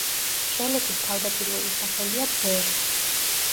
ჩელეთის თავდაპირველი სახელია „ბერ“.